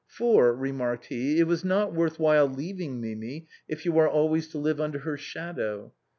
" For," remarked he, " it was not worth while leaving Mimi if you are always to live under her shadow.